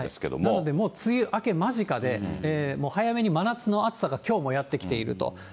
なので、もう梅雨明け間近で、もう早めに真夏の暑さがきょうもやって来ていると。